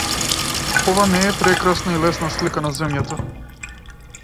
Ова не е прекрасна и лесна слика на земјата.